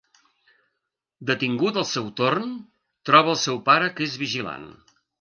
Detingut al seu torn, troba el seu pare que és vigilant.